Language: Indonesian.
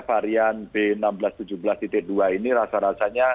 varian b seribu enam ratus tujuh belas dua ini rasa rasanya